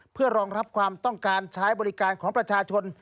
เพื่อรองรับความต้องการใช้บริการของประชาชน